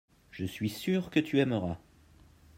je suis sûr que tu aimeras.